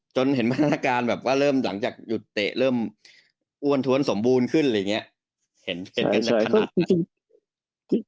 จนเห็นพันธการแบบว่าเริ่มหลังจากหยุดเตะเริ่มอ้วนท้วนสมบูรณ์ขึ้นอะไรอย่างเงี้ย